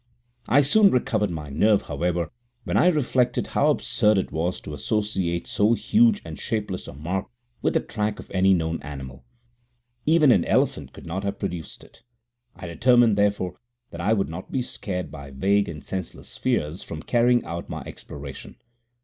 I soon recovered my nerve, however, when I reflected how absurd it was to associate so huge and shapeless a mark with the track of any known animal. Even an elephant could not have produced it. I determined, therefore, that I would not be scared by vague and senseless fears from carrying out my exploration.